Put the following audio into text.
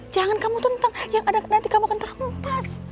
jangan kamu tentang yang ada nanti kamu akan terhempas